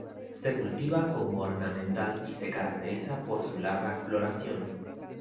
Se cultiva como ornamental y se caracteriza por su larga floración.